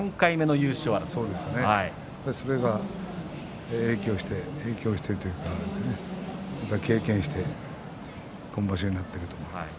それが影響しているというか経験して今場所になっていると思います。